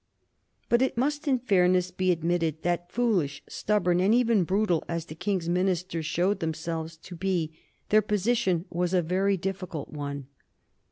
But it must in fairness be admitted that, foolish, stubborn, and even brutal as the King's ministers showed themselves to be, their position was a very difficult one.